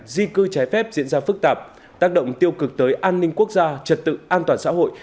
di cư trái phép diễn ra phức tạp tác động tiêu cực tới an ninh quốc gia trật tự an toàn xã hội